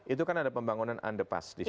itu kan ada pembangunan underpass di situ